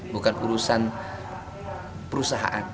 bukan urusan perusahaan